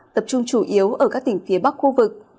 tập trung chủ yếu ở các tỉnh phía bắc khu vực